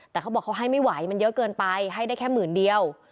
แต่เขาบอกเขาให้ไม่ไหวมันเยอะเกินไปให้ได้แค่หมื่นเดียว